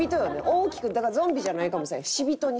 大きくゾンビじゃないかもしれん。